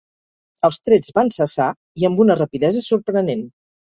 Els trets van cessar i amb una rapidesa sorprenent...